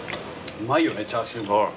うまいよねチャーシュー。